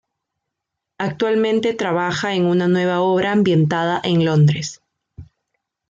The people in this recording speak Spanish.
Actualmente trabaja en una nueva obra ambientada en Londres.